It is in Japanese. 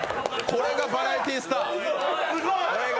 これがバラエティースター！